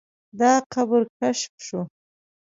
دا قبر کشف شو.